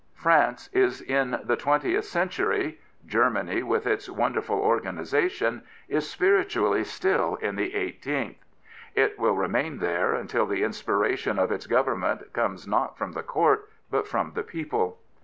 France is in the Twentieth Century: Gennany, with all its wonderful organisa tion, is spiritually still in the Eighteenth. It will remain there until the inspiration of its government comes not from the Court, but from the people.